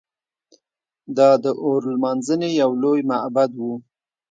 دا د اور لمانځنې یو لوی معبد و